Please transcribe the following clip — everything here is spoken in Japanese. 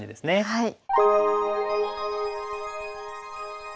はい。